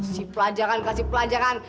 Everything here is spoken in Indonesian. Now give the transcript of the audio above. kasih pelajaran kasih pelajaran